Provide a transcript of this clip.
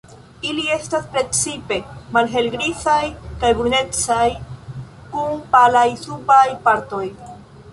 Ili estas precipe malhelgrizaj kaj brunecaj, kun palaj subaj partoj.